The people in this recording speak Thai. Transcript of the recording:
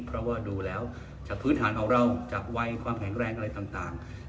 เพราะว่าดูแล้วจากพื้นฐานของเราจากวัยความแข็งแรงอะไรต่าง